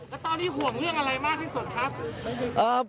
แล้วตอนนี้ห่วงเรื่องอะไรมากที่สุดครับ